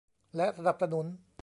และสนับสนุน